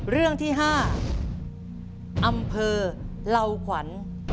เรื่องที่๕อำเภอเหล่าขวัญ